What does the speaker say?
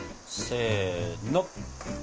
せの！